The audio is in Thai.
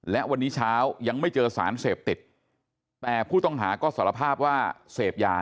และวันนี้เช้ายังไม่เจอสารเสพติดแต่ผู้ต้องหาก็สารภาพว่าเสพยา